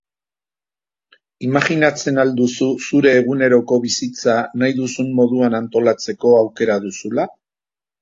Imajinatzen al duzu zure eguneroko bizitza nahi duzun moduan antolatzeko aukera duzula?